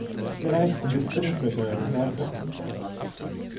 Sie reicht bis zu den Knöcheln herab.